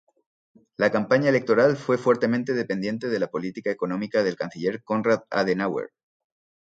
La campaña electoral fue fuertemente dependiente de la política económica del canciller Konrad Adenauer.